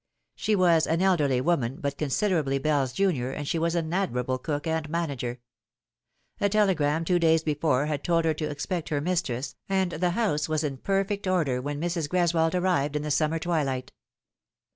She was an elderly woman, but considerably Bell's junior, and she was an admirable cook and manager. A telegram two days before had told her to expect her mistress, and the house was in perfect order when Mrs. Greswold arrived in the summer twilight.